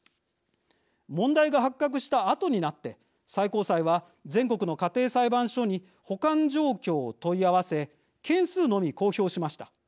問題が発覚したあとになって最高裁は全国の家庭裁判所に保管状況を問い合わせ件数のみ公表しました。